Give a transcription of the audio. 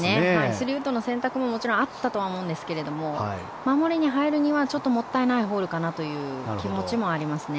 ３ウッドの選択ももちろんあったと思うんですけど守りに入るにはちょっともったいないホールかなという気持ちもありますね。